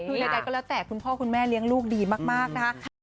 คือใดก็แล้วแต่คุณพ่อคุณแม่เลี้ยงลูกดีมากนะคะ